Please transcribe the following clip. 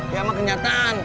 ya emang kenyataan